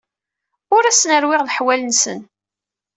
Ur asen-rewwiɣ leḥwal-nsen.